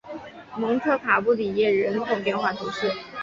蒙特卡布里耶人口变化图示